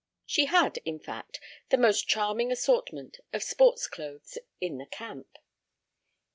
She had, in fact, the most charming assortment of sports clothes in the camp.